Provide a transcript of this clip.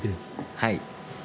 はい。